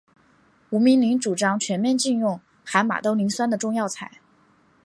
吴明铃主张全面禁用含马兜铃酸的中药材。